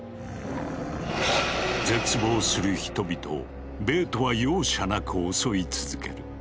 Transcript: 絶望する人々をベートは容赦なく襲い続ける。